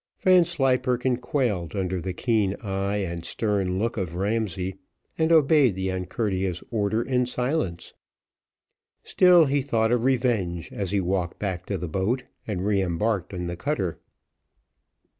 Vanslyperken quailed under the keen eye and stern look of Ramsay, and obeyed the uncourteous order in silence; still he thought of revenge as he walked back to the boat and re embarked in the cutter.